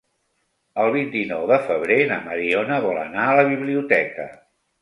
El vint-i-nou de febrer na Mariona vol anar a la biblioteca.